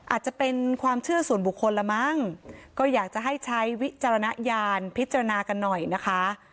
อาจจะเป็นความเชื่อส่วนบุคคลละมั้งก็อยากจะให้ใช้วิจารณญาณพิจารณากันหน่อยนะคะ